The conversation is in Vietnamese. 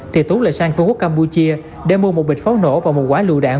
thì túi lại sang phương quốc campuchia để mua một bịch pháo nổ và một quả lựu đạn